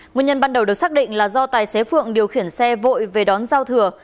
nguyên nhân ban đầu được xác định là do tài xế phượng điều khiển xe vội về đón giao thừa